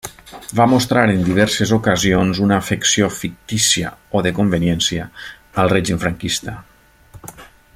Va mostrar en diverses ocasions una afecció –fictícia o de conveniència– al règim franquista.